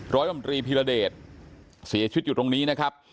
รมตรีพิรเดชเสียชีวิตอยู่ตรงนี้นะครับ